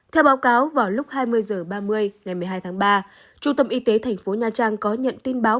theo báo cáo vào lúc hai mươi h ba mươi ngày một mươi hai tháng ba trung tâm y tế thành phố nha trang có nhận tin báo